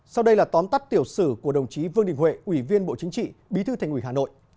sau đây là tóm tắt tiểu sử của đồng chí vương đình huệ ủy viên bộ chính trị bí thư thành ủy hà nội